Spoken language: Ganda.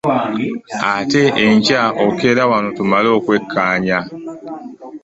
Ate enkya okeera wano tumale okukwekkaanya.